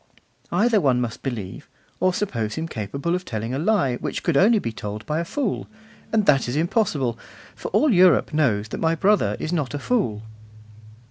Either one must believe, or suppose him capable of telling a lie which could only be told by a fool; and that is impossible, for all Europe knows that my brother is not a fool.